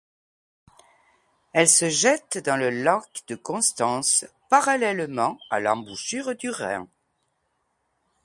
Elle se jette dans le lac de Constance parallèlement à l'embouchure du Rhin.